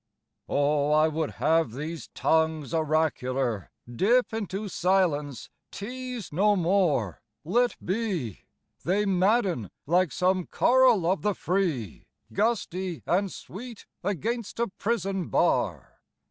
OH, I would have these tongues oracular Dip into silence, tease no more, let be! They madden, like some choral of the free Gusty and sweet against a prison bar.